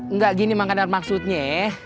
enggak gini mang kandar maksudnya